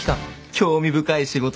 興味深い仕事です。